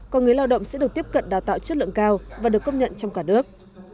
còn người lao động sẽ được tiếp cận đào tạo chất lượng cao và được công nhận trong cả nước